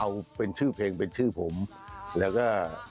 เอาเป็นชื่อเพลงเป็นชื่อผมแล้วก็